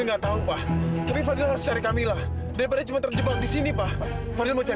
enggak enggak enggak aku gak mungkin berhenti mila